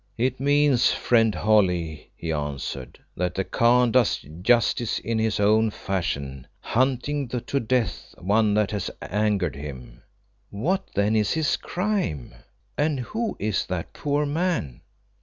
"It means, friend Holly," he answered, "that the Khan does justice in his own fashion hunting to death one that has angered him." "What then is his crime? And who is that poor man?"